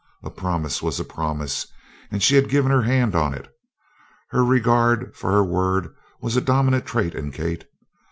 A promise was a promise, and she had given her hand on it. Her regard for her word was a dominant trait in Kate.